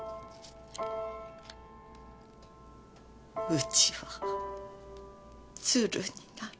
うちは鶴になる。